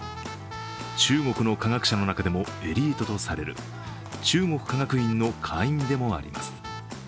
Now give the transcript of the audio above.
中国の科学者の中でもエリートとされる中国科学院の会員でもあります。